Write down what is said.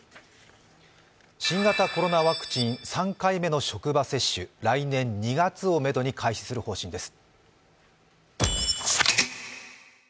新型コロナワクチン、３回目の職場接種、来年２月をめどに開始する方針です。